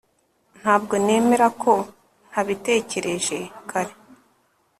Ntabwo nemera ko ntabitekereje kare